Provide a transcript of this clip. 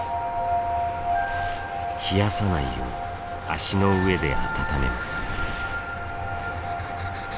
冷やさないよう足の上で温めます。